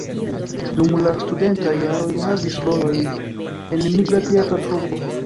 Dum la studentaj jaroj li havis rolojn en migra teatra trupo.